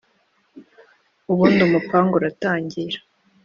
ubundi umupangu uratangira